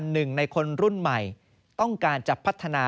หนึ่งในคนรุ่นใหม่ต้องการจะพัฒนา